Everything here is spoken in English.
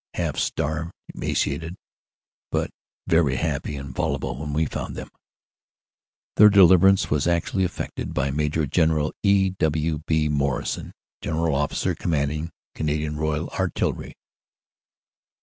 Half starved, emaciated, but very happy and voluble we found them. Their deliverance was actually effected by Major General E. W. B. Morrison, G.O.C., Canadian Royal Artillery.